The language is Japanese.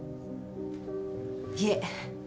いえ。